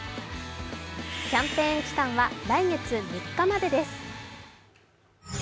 キャンペーン期間は来月３日までです。